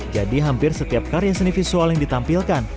jadi hampir setiap karya seni visual yang ditampilkan